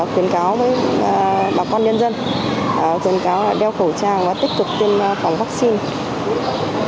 khuyến cáo với bà con nhân dân cáo đeo khẩu trang và tích cực tiêm phòng vaccine